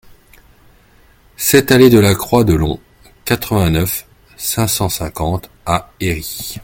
sept allée de la Croix de Long, quatre-vingt-neuf, cinq cent cinquante à Héry